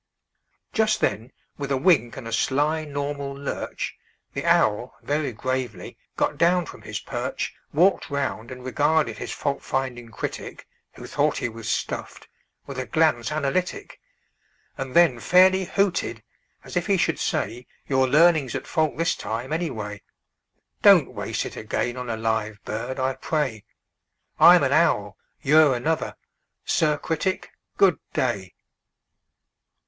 Just then, with a wink and a sly normal lurch, The owl, very gravely, got down from his perch, Walked round, and regarded his fault finding critic (Who thought he was stuffed) with a glance analytic, And then fairly hooted, as if he should say: "Your learning's at fault this time, any way; Don't waste it again on a live bird, I pray. I'm an owl; you're another. Sir Critic, good day!"